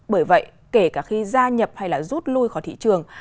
bởi vậy kể cả khi gia nhập hay rút lui khỏi thị trường